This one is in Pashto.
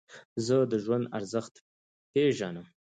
زه د ژوند ارزښت پېژنم.